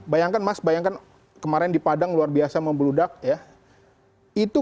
bayangkan mas bayangkan kemarin di padang luar biasa membeludak ya